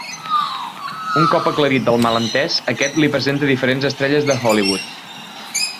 Un cop aclarit el malentès aquest li presenta diferents estrelles de Hollywood.